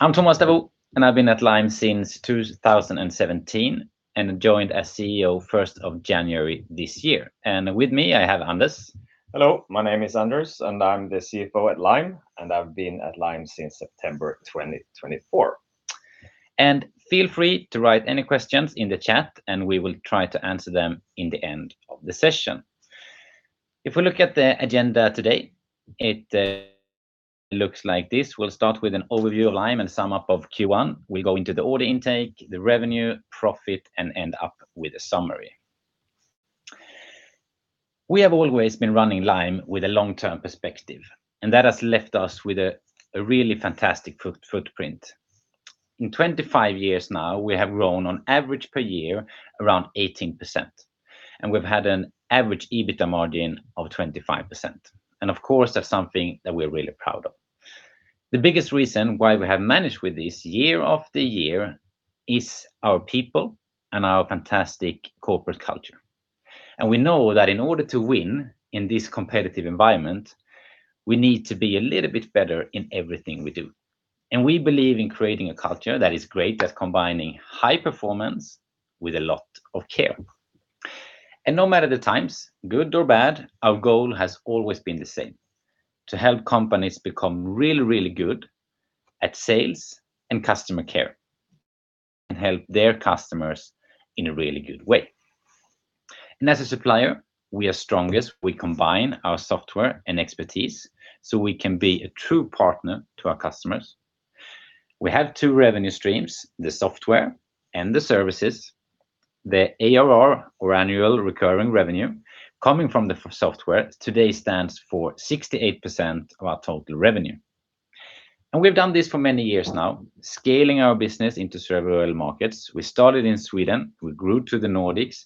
I'm Tommas Davoust, and I've been at Lime since 2017 and joined as CEO 1st of January this year. With me, I have Anders. Hello, my name is Anders, and I'm the CFO at Lime, and I've been at Lime since September 2024. Feel free to write any questions in the chat, and we will try to answer them in the end of the session. If we look at the agenda today, it looks like this. We'll start with an overview of Lime and sum up of Q1. We go into the order intake, the revenue, profit, and end up with a summary. We have always been running Lime with a long-term perspective, and that has left us with a really fantastic footprint. In 25 years now, we have grown on average per year around 18%, and we've had an average EBITDA margin of 25%. Of course, that's something that we're really proud of. The biggest reason why we have managed with this year after year is our people and our fantastic corporate culture. We know that in order to win in this competitive environment, we need to be a little bit better in everything we do. We believe in creating a culture that is great at combining high performance with a lot of care. No matter the times, good or bad, our goal has always been the same, to help companies become really, really good at sales and customer care and help their customers in a really good way. As a supplier, we are strongest, we combine our software and expertise so we can be a true partner to our customers. We have two revenue streams, the software and the services. The ARR, or annual recurring revenue, coming from the software today stands for 68% of our total revenue. We've done this for many years now, scaling our business into several other markets. We started in Sweden. We grew to the Nordics,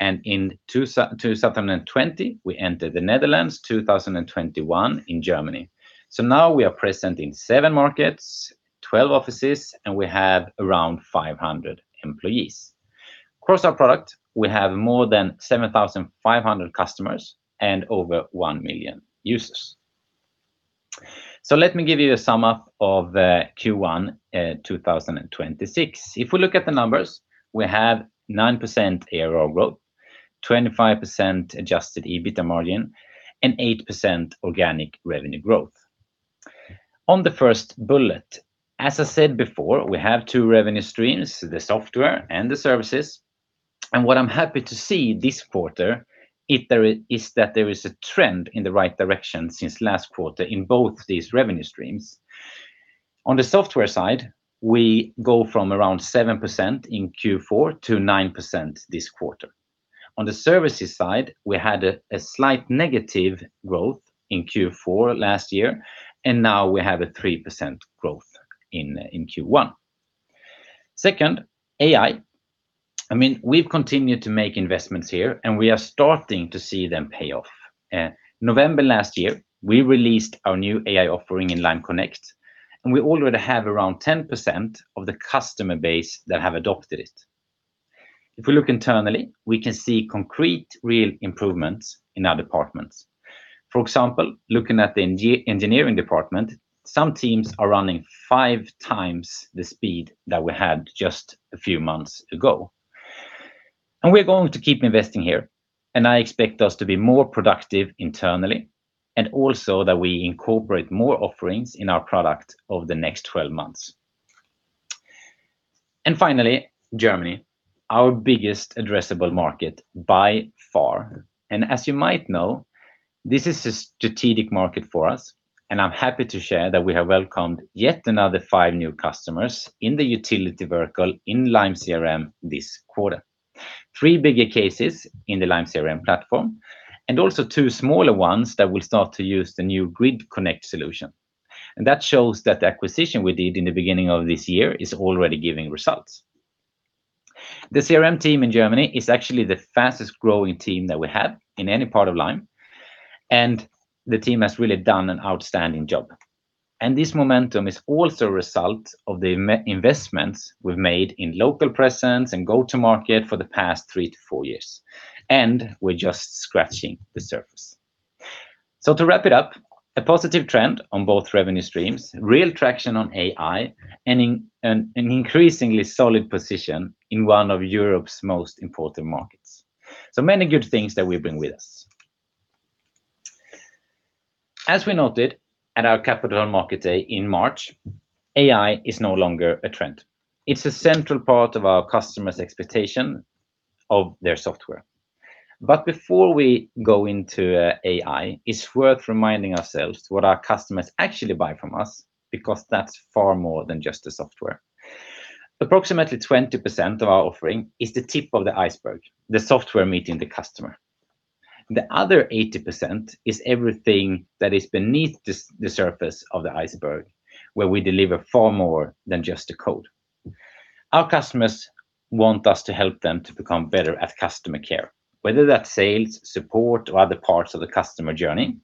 and in 2020, we entered the Netherlands, 2021 in Germany. Now we are present in seven markets, 12 offices, and we have around 500 employees. Across our product, we have more than 7,500 customers and over one million users. Let me give you a summary of the Q1 2026. If we look at the numbers, we have 9% ARR growth, 25% Adjusted EBITDA margin, and 8% organic revenue growth. On the first bullet, as I said before, we have two revenue streams, the software and the services. What I'm happy to see this quarter is that there is a trend in the right direction since last quarter in both these revenue streams. On the software side, we go from around 7% in Q4 to 9% this quarter. On the services side, we had a slight negative growth in Q4 last year, and now we have a 3% growth in Q1. Second, AI. We've continued to make investments here, and we are starting to see them pay off. November last year, we released our new AI offering in Lime Connect, and we already have around 10% of the customer base that have adopted it. If we look internally, we can see concrete, real improvements in our departments. For example, looking at the engineering department, some teams are running 5 times the speed that we had just a few months ago. We're going to keep investing here, and I expect us to be more productive internally and also that we incorporate more offerings in our product over the next 12 months. Finally, Germany, our biggest addressable market by far. As you might know, this is a strategic market for us, and I'm happy to share that we have welcomed yet another five new customers in the utility vertical in Lime CRM this quarter. Three bigger cases in the Lime CRM platform and also two smaller ones that will start to use the new Grid Connect solution. That shows that the acquisition we did in the beginning of this year is already giving results. The CRM team in Germany is actually the fastest-growing team that we have in any part of Lime, and the team has really done an outstanding job. This momentum is also a result of the investments we've made in local presence and go-to-market for the past three to four years, and we're just scratching the surface. To wrap it up, a positive trend on both revenue streams, real traction on AI, and an increasingly solid position in one of Europe's most important markets. Many good things that we bring with us. As we noted at our Capital Markets Day in March, AI is no longer a trend. It's a central part of our customer's expectation of their software. Before we go into AI, it's worth reminding ourselves what our customers actually buy from us, because that's far more than just the software. Approximately 20% of our offering is the tip of the iceberg, the software meeting the customer. The other 80% is everything that is beneath the surface of the iceberg, where we deliver far more than just the code. Our customers want us to help them to become better at customer care, whether that's sales, support, or other parts of the customer journey.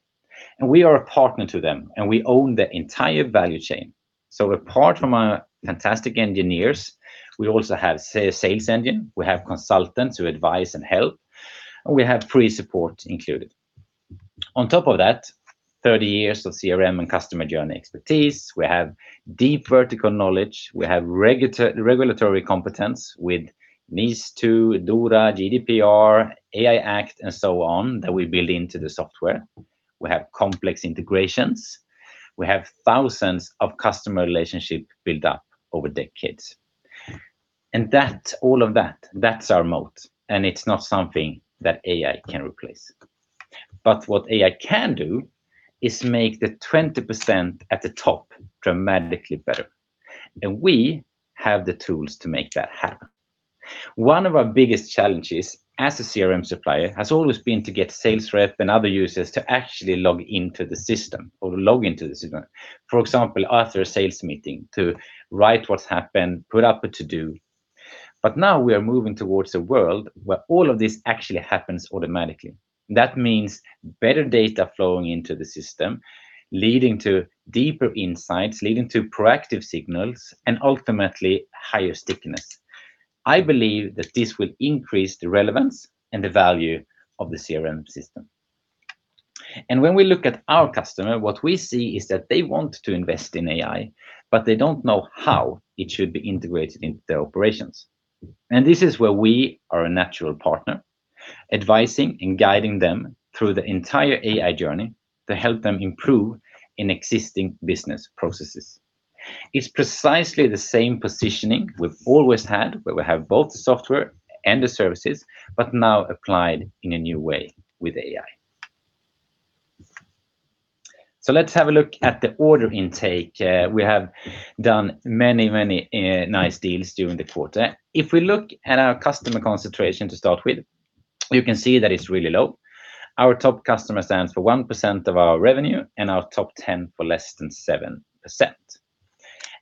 We are a partner to them, and we own the entire value chain. Apart from our fantastic engineers, we also have a sales engine, we have consultants who advise and help, and we have free support included. On top of that, 30 years of CRM and customer journey expertise. We have deep vertical knowledge. We have regulatory competence with NIS2, DORA, GDPR, AI Act and so on that we build into the software. We have complex integrations. We have thousands of customer relationships built up over decades. All of that's our moat. It's not something that AI can replace. What AI can do is make the 20% at the top dramatically better. We have the tools to make that happen. One of our biggest challenges as a CRM supplier has always been to get sales rep and other users to actually log into the system. For example, after a sales meeting, to write what's happened, put up a to-do. Now we are moving towards a world where all of this actually happens automatically. That means better data flowing into the system, leading to deeper insights, leading to proactive signals and ultimately higher stickiness. I believe that this will increase the relevance and the value of the CRM system. When we look at our customer, what we see is that they want to invest in AI, but they don't know how it should be integrated into their operations. This is where we are a natural partner, advising and guiding them through the entire AI journey to help them improve in existing business processes. It's precisely the same positioning we've always had, where we have both the software and the services, but now applied in a new way with AI. Let's have a look at the order intake. We have done many nice deals during the quarter. If we look at our customer concentration to start with, you can see that it's really low. Our top customer stands for 1% of our revenue and our top 10 for less than 7%.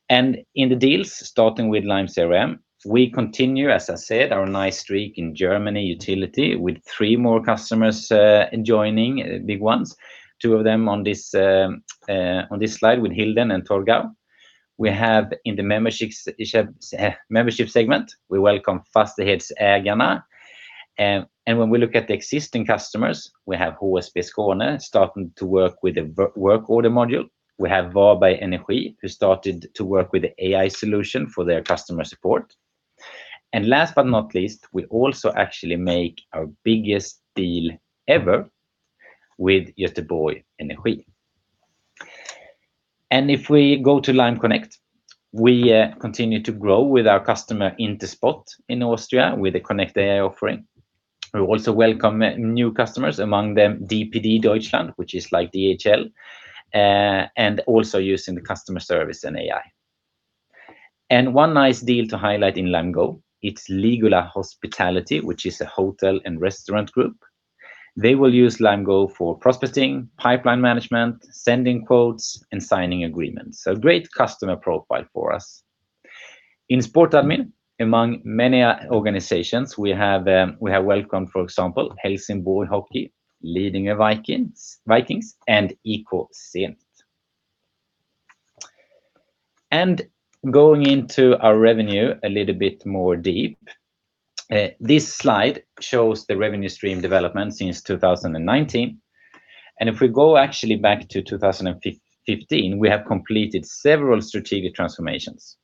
In the deals, starting with Lime CRM, we continue, as I said, our nice streak in German utilities with three more customers joining, big ones, two of them on this slide with Hilden and Torgau. We have in the membership segment, we welcome Fastighetsägarna. When we look at the existing customers, we have HSB Skåne starting to work with the work order module. We have Varberg Energi who started to work with the AI solution for their customer support. Last but not least, we also actually make our biggest deal ever with Göteborg Energi. If we go to Lime Connect, we continue to grow with our customer INTERSPORT in Austria with the Connect AI offering. We also welcome new customers, among them DPD Deutschland, which is like DHL, and also using the customer service and AI. One nice deal to highlight in Lime Go, it's Ligula Hospitality, which is a hotel and restaurant group. They will use Lime Go for prospecting, pipeline management, sending quotes and signing agreements. A great customer profile for us. In SportAdmin, among many organizations, we have welcomed, for example, Helsingborgs Hockey, Lidingö Vikings HC, and Ecosynt. Going into our revenue a little bit more in depth. This slide shows the revenue stream development since 2019. If we go actually back to 2015, we have completed several strategic transformations.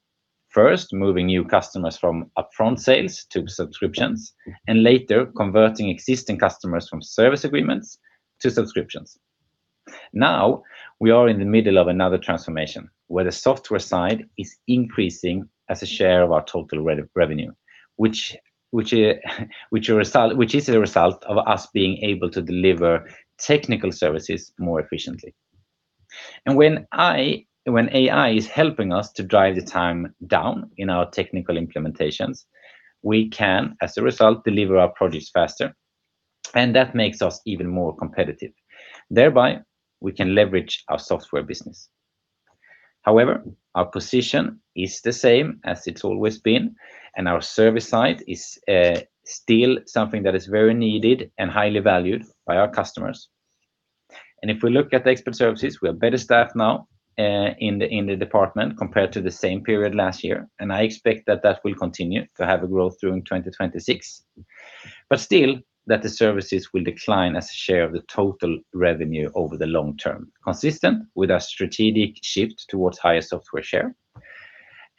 First, moving new customers from upfront sales to subscriptions, and later converting existing customers from service agreements to subscriptions. Now, we are in the middle of another transformation, where the software side is increasing as a share of our total revenue, which is a result of us being able to deliver technical services more efficiently. And when AI is helping us to drive the time down in our technical implementations, we can, as a result, deliver our projects faster, and that makes us even more competitive. Thereby, we can leverage our software business. However, our position is the same as it's always been, and our service side is still something that is very needed and highly valued by our customers. If we look at the expert services, we have better staff now in the department compared to the same period last year. I expect that will continue to have a growth through in 2026, still that the services will decline as a share of the total revenue over the long term, consistent with our strategic shift towards higher software share.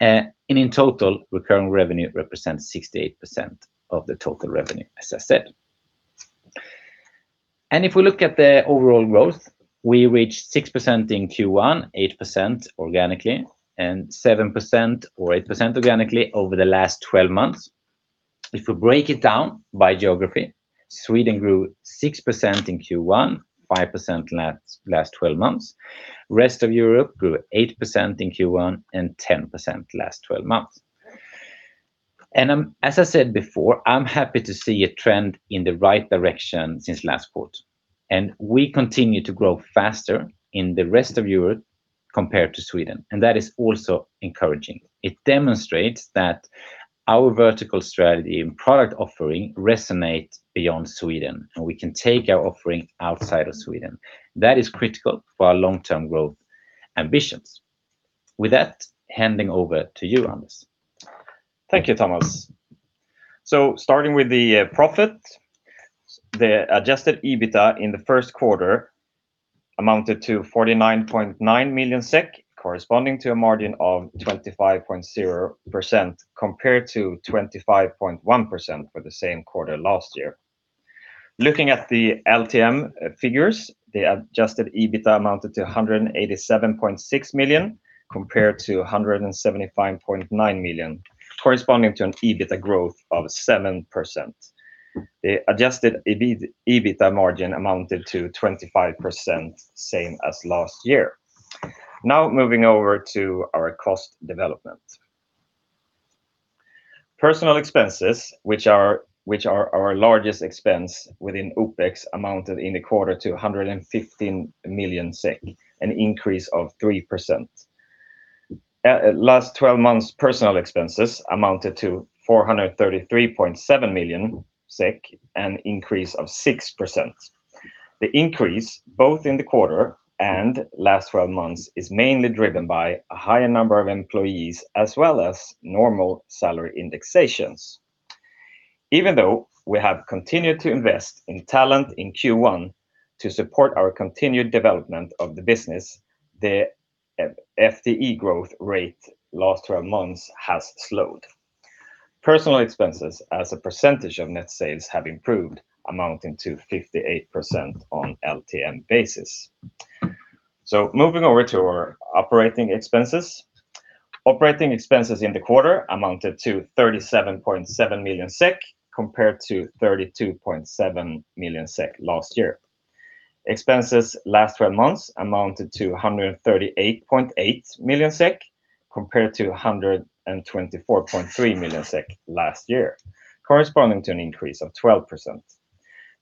In total, recurring revenue represents 68% of the total revenue, as I said. If we look at the overall growth, we reached 6% in Q1, 8% organically, and 7% or 8% organically over the last 12 months. If we break it down by geography, Sweden grew 6% in Q1, 5% last 12 months. Rest of Europe grew 8% in Q1 and 10% last 12 months. As I said before, I'm happy to see a trend in the right direction since last quarter. We continue to grow faster in the rest of Europe compared to Sweden. That is also encouraging. It demonstrates that our vertical strategy and product offering resonate beyond Sweden, and we can take our offering outside of Sweden. That is critical for our long-term growth ambitions. With that, handing over to you, Anders. Thank you, Tommas. Starting with the profit, the Adjusted EBITDA in the first quarter amounted to 49.9 million SEK, corresponding to a margin of 25.0% compared to 25.1% for the same quarter last year. Looking at the LTM figures, the Adjusted EBITDA amounted to 187.6 million, compared to 175.9 million, corresponding to an EBITDA growth of 7%. The Adjusted EBITDA margin amounted to 25%, same as last year. Now moving over to our cost development. Personal expenses, which are our largest expense within OpEx, amounted in the quarter to 115 million SEK, an increase of 3%. Last 12 months, personal expenses amounted to 433.7 million SEK, an increase of 6%. The increase both in the quarter and last 12 months is mainly driven by a higher number of employees as well as normal salary indexations. Even though we have continued to invest in talent in Q1 to support our continued development of the business, the FTE growth rate last 12 months has slowed. Personnel expenses as a percentage of net sales have improved, amounting to 58% on LTM basis. Moving over to our operating expenses. Operating expenses in the quarter amounted to 37.7 million SEK, compared to 32.7 million SEK last year. Expenses last 12 months amounted to 138.8 million SEK compared to 124.3 million SEK last year, corresponding to an increase of 12%.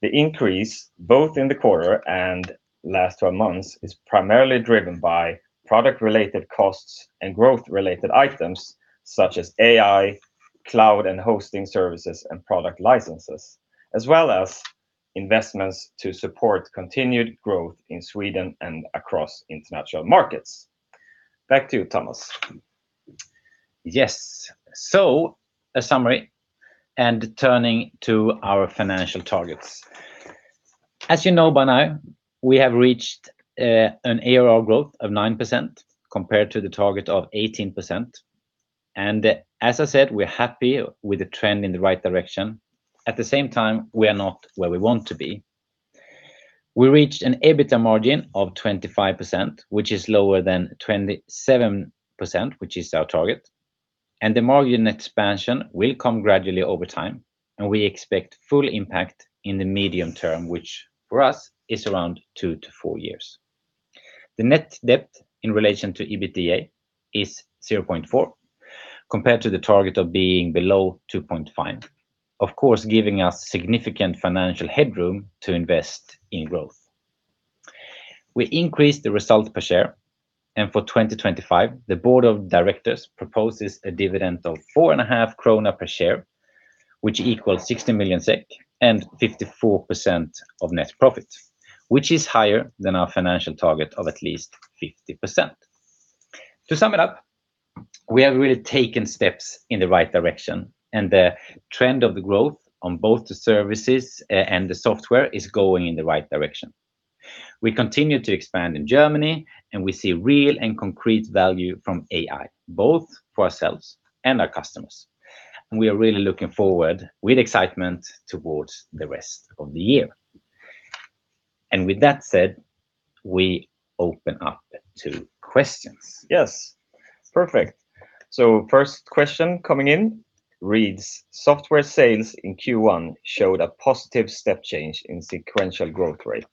The increase both in the quarter and last 12 months is primarily driven by product-related costs and growth-related items such as AI, cloud and hosting services, and product licenses, as well as investments to support continued growth in Sweden and across international markets. Back to you, Tommas. Yes. A summary and turning to our financial targets. As you know by now, we have reached an ARR growth of 9% compared to the target of 18%. As I said, we're happy with the trend in the right direction. At the same time, we are not where we want to be. We reached an EBITDA margin of 25%, which is lower than 27%, which is our target. The margin expansion will come gradually over time, and we expect full impact in the medium term, which for us is around 2-4 years. The net debt in relation to EBITDA is 0.4, compared to the target of being below 2.5, of course, giving us significant financial headroom to invest in growth. We increased the result per share, and for 2025, the board of directors proposes a dividend of 4.5 krona per share, which equals 60 million SEK and 54% of net profit, which is higher than our financial target of at least 50%. To sum it up, we have really taken steps in the right direction, and the trend of the growth on both the services and the software is going in the right direction. We continue to expand in Germany, and we see real and concrete value from AI, both for ourselves and our customers. We are really looking forward with excitement towards the rest of the year. With that said, we open up to questions. Yes. Perfect. First question coming in reads: "Software sales in Q1 showed a positive step change in sequential growth rate.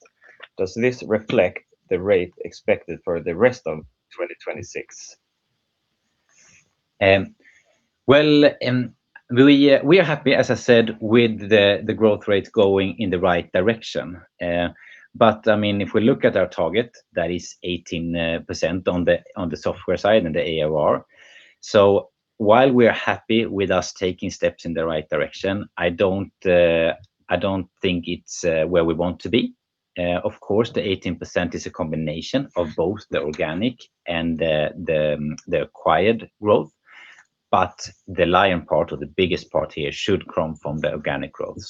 Does this reflect the rate expected for the rest of 2026? Well, we are happy, as I said, with the growth rate going in the right direction. If we look at our target, that is 18% on the software side and the ARR. While we are happy with us taking steps in the right direction, I don't think it's where we want to be. Of course, the 18% is a combination of both the organic and the acquired growth, but the lion part or the biggest part here should come from the organic growth.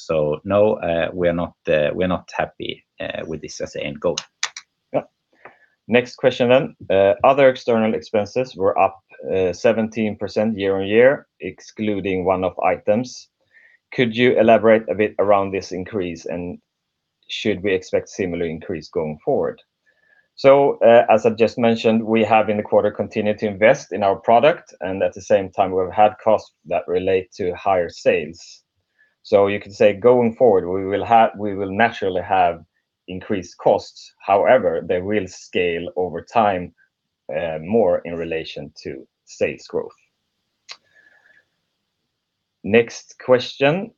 No, we're not happy with this as an end goal. Yep. Next question then. Other external expenses were up 17% year-over-year, excluding one-off items. Could you elaborate a bit around this increase, and should we expect similar increase going forward? As I've just mentioned, we have in the quarter continued to invest in our product, and at the same time, we've had costs that relate to higher sales. You can say going forward, we will naturally have increased costs. However, they will scale over time more in relation to sales growth. Next question.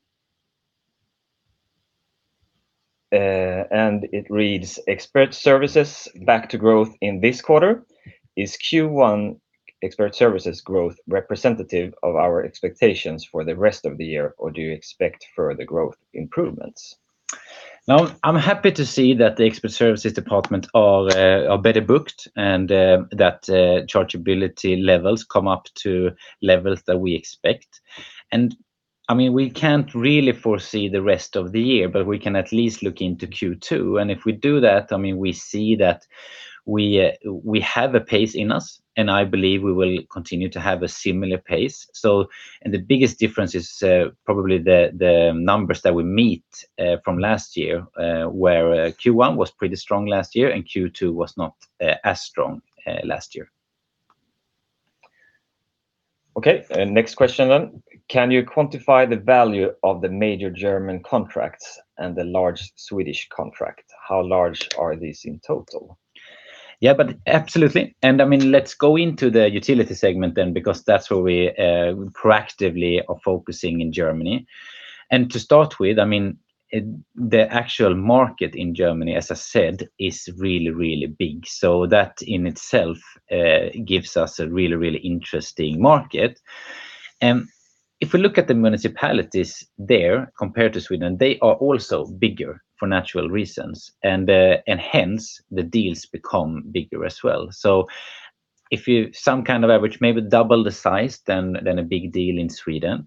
It reads: "Expert services back to growth in this quarter. Is Q1 expert services growth representative of our expectations for the rest of the year, or do you expect further growth improvements? Now, I'm happy to see that the expert services department are better booked and that chargeability levels come up to levels that we expect. We can't really foresee the rest of the year, but we can at least look into Q2. If we do that, we see that we have a pace in us, and I believe we will continue to have a similar pace. The biggest difference is probably the numbers that we meet from last year, where Q1 was pretty strong last year, and Q2 was not as strong last year. Okay. Next question then. Can you quantify the value of the major German contracts and the large Swedish contract? How large are these in total? Yeah, but absolutely. Let's go into the utility segment then, because that's where we proactively are focusing in Germany. To start with, the actual market in Germany, as I said, is really, really big. That in itself gives us a really, really interesting market. If we look at the municipalities there compared to Sweden, they are also bigger for natural reasons. Hence, the deals become bigger as well. If you take some kind of average, maybe double the size than a big deal in Sweden.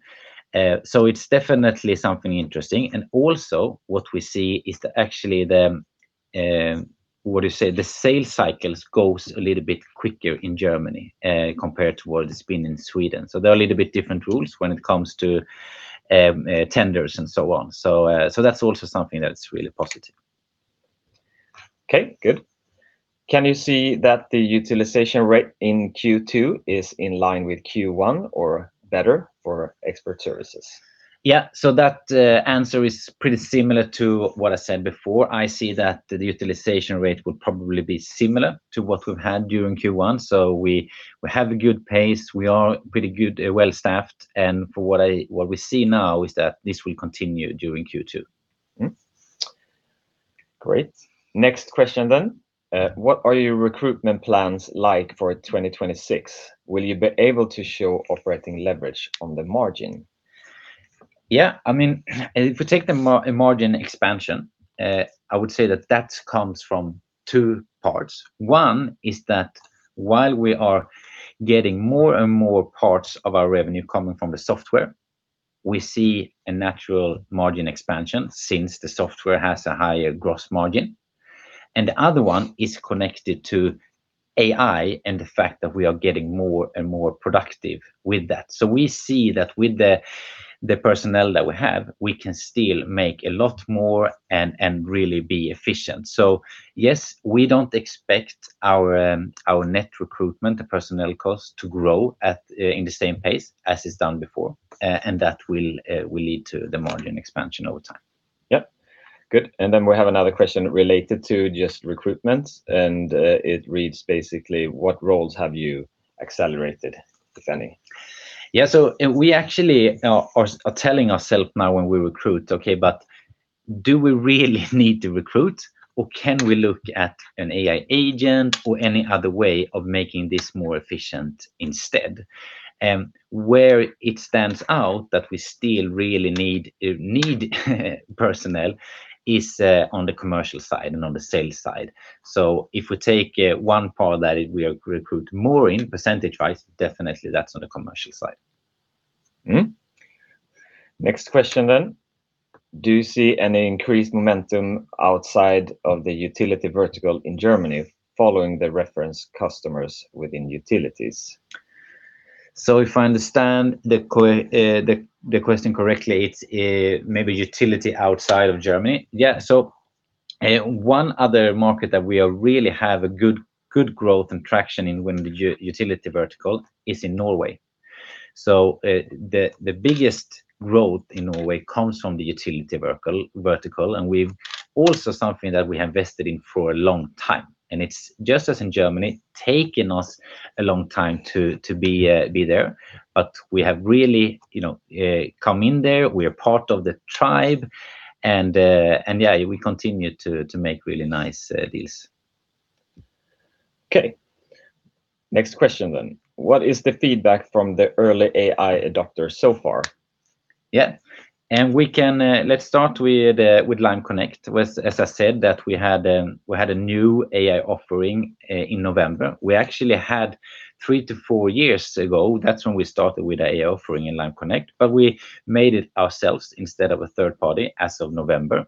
It's definitely something interesting. Also what we see is that actually the, what do you say? The sales cycles goes a little bit quicker in Germany compared to what it's been in Sweden. They're a little bit different rules when it comes to tenders and so on. That's also something that's really positive. Okay, good. Can you see that the utilization rate in Q2 is in line with Q1 or better for expert services? Yeah, that answer is pretty similar to what I said before. I see that the utilization rate will probably be similar to what we've had during Q1. We have a good pace. We are pretty good, well-staffed, and what we see now is that this will continue during Q2. Great. Next question then. What are your recruitment plans like for 2026? Will you be able to show operating leverage on the margin? Yeah. If we take the margin expansion, I would say that that comes from two parts. One is that while we are getting more and more parts of our revenue coming from the software, we see a natural margin expansion since the software has a higher gross margin. The other one is connected to AI and the fact that we are getting more and more productive with that. We see that with the personnel that we have, we can still make a lot more and really be efficient. Yes, we don't expect our net recruitment, the personnel cost, to grow in the same pace as it's done before. That will lead to the margin expansion over time. Yep. Good. We have another question related to just recruitment, and it reads basically what roles have you accelerated, if any? Yeah, we actually are telling ourselves now when we recruit, okay, but do we really need to recruit, or can we look at an AI agent or any other way of making this more efficient instead? Where it stands out that we still really need personnel is on the commercial side and on the sales side. If we take one part that we recruit more in percentage-wise, definitely that's on the commercial side. Next question. Do you see any increased momentum outside of the utility vertical in Germany following the reference customers within utilities? If I understand the question correctly, it's maybe utility outside of Germany. Yeah, one other market that we are really have a good growth and traction in when the utility vertical is in Norway. The biggest growth in Norway comes from the utility vertical, and we've also something that we invested in for a long time, and it's just as in Germany, taking us a long time to be there. We have really come in there. We are part of the tribe and yeah, we continue to make really nice deals. Okay. Next question. What is the feedback from the early AI adopters so far? Yeah. Let's start with Lime Connect, as I said that we had a new AI offering in November. We actually had three to four years ago, that's when we started with AI offering in Lime Connect, but we made it ourselves instead of a third party as of November.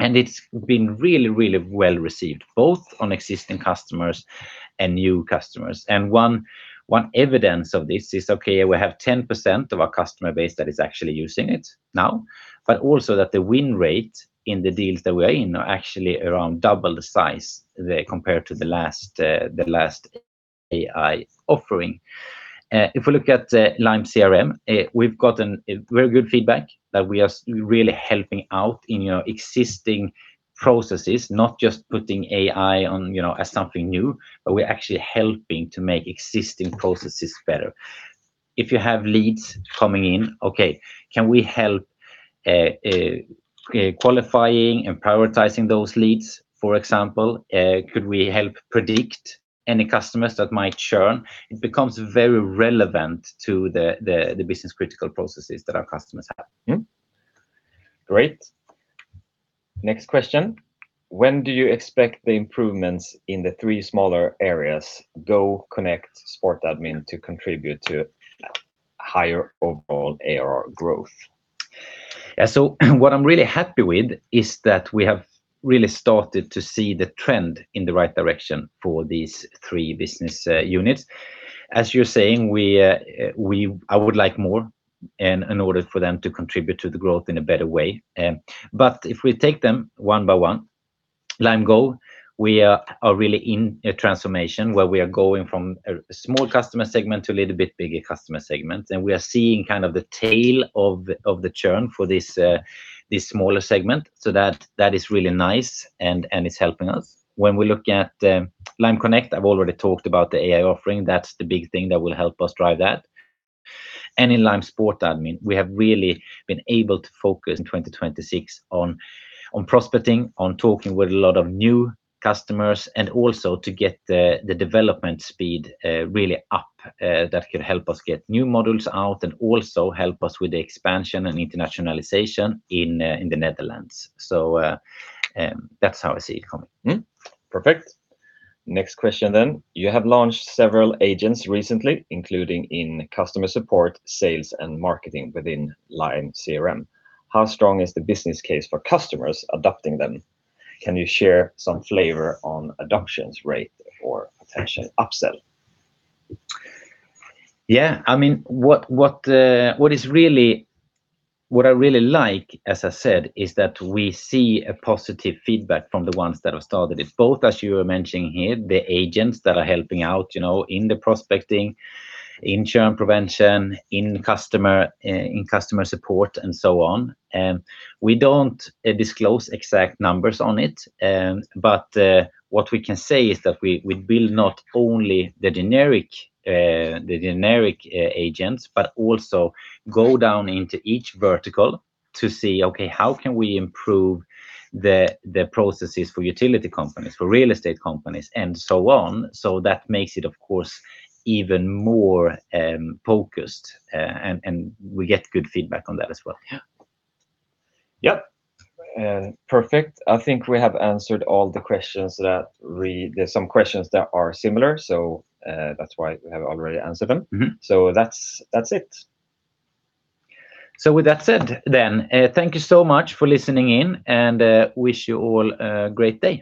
It's been really, really well-received, both on existing customers and new customers. One evidence of this is, okay, we have 10% of our customer base that is actually using it now, but also that the win rate in the deals that we are in are actually around double the size compared to the last AI offering. If we look at Lime CRM, we've gotten very good feedback that we are really helping out in existing processes, not just putting AI as something new, but we're actually helping to make existing processes better. If you have leads coming in, okay, can we help qualifying and prioritizing those leads, for example? Could we help predict any customers that might churn? It becomes very relevant to the business-critical processes that our customers have. Great. Next question: When do you expect the improvements in the three smaller areas, Go, Connect, SportAdmin, to contribute to higher overall ARR growth? What I'm really happy with is that we have really started to see the trend in the right direction for these three business units. As you're saying, I would like more and in order for them to contribute to the growth in a better way. If we take them one by one, Lime Go, we are really in a transformation where we are going from a small customer segment to a little bit bigger customer segment. We are seeing the tail of the churn for this smaller segment. That is really nice and is helping us. When we look at Lime Connect, I've already talked about the AI offering. That's the big thing that will help us drive that. In Lime Sportadmin, we have really been able to focus in 2026 on prospecting, on talking with a lot of new customers and also to get the development speed really up. That can help us get new modules out and also help us with the expansion and internationalization in the Netherlands. That's how I see it coming. Perfect. Next question, then. You have launched several agents recently, including in customer support, sales, and marketing within Lime CRM. How strong is the business case for customers adopting them? Can you share some flavor on adoption rate or potential upsell? Yeah. What I really like, as I said, is that we see a positive feedback from the ones that have started it, both as you were mentioning here, the agents that are helping out in the prospecting, in churn prevention, in customer support and so on. We don't disclose exact numbers on it. What we can say is that we build not only the generic agents, but also go down into each vertical to see, okay, how can we improve the processes for utility companies, for real estate companies and so on. That makes it, of course, even more focused. We get good feedback on that as well. Yep. Perfect. I think we have answered all the questions. There's some questions that are similar, so that's why we have already answered them. Mm-hmm. That's it. With that said, then, thank you so much for listening in and wish you all a great day.